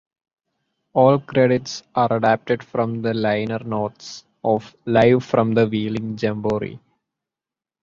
All credits are adapted from the liner notes of "Live from the Wheeling Jamboree".